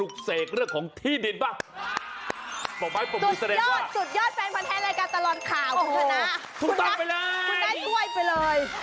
คุณได้ส่วยไปเลย